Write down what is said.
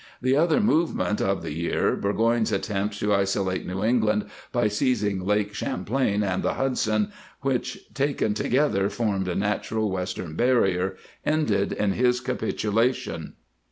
The other movement of the year, Burgoyne's attempt to isolate New England by seizing Lake Champlain and the Hudson, which taken together formed a natural western barrier, ended in his capitulation.